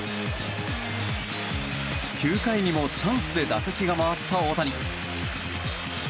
９回にもチャンスで打席が回った大谷。